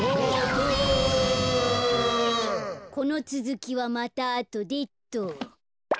このつづきはまたあとでっと。